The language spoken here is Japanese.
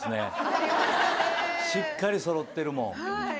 しっかり揃ってるもん。